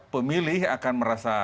pemilih akan merasa